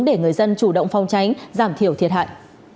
để người dân chủ động phong tránh giảm thiểu thiệt hại